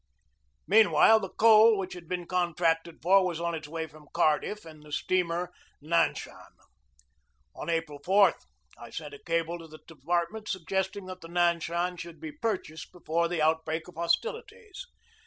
Meanwhile, the coal which had been contracted for was on its way from Cardiff in the steamer Nan shan. On April 4 I sent a cable to the department suggesting that the Nanshan should be purchased before the outbreak of hostilities.